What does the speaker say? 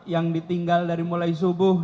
yang ditinggal dari mulai subuh